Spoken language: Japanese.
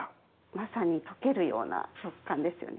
まさに溶けるような食感ですよね。